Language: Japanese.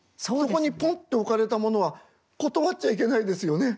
ここにポンって置かれたものは断っちゃいけないですよね。